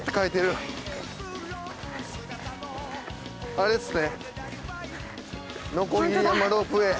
あれですね。